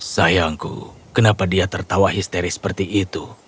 sayangku kenapa dia tertawa histeri seperti itu